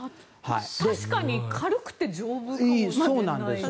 確かに軽くて丈夫かもしれないですね。